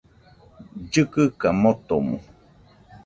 Llɨkɨka motomo